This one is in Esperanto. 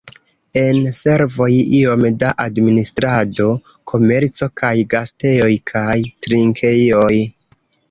En servoj iom da administrado, komerco kaj gastejoj kaj trinkejoj.